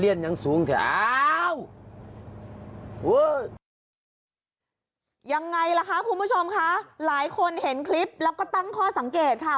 ยังไงล่ะคะคุณผู้ชมคะหลายคนเห็นคลิปแล้วก็ตั้งข้อสังเกตค่ะ